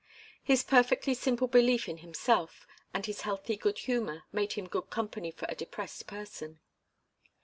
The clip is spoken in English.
His perfectly simple belief in himself and his healthy good humour made him good company for a depressed person.